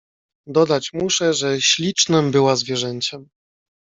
"Dodać muszę, że ślicznem była zwierzęciem."